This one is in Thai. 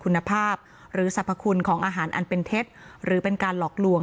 คุณภาพหรือสรรพคุณของอาหารอันเป็นเท็จหรือเป็นการหลอกลวง